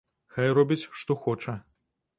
Хай робіць што хоча.